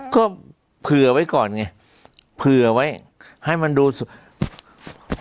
ก็เผื่อไว้ก่อนไงเผื่อไว้ให้มันดูสุด